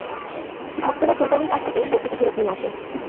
ভক্তরা সুলতানের কাছ থেকে মূর্তিটি ফেরত নিয়ে আসে।